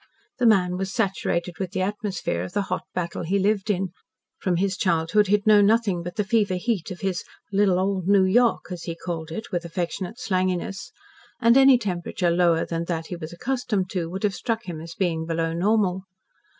The man was saturated with the atmosphere of the hot battle he lived in. From his childhood he had known nothing but the fever heat of his "little old New York," as he called it with affectionate slanginess, and any temperature lower than that he was accustomed to would have struck him as being below normal.